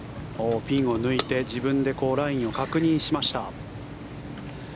ピンを抜いて自分でラインを確認しました。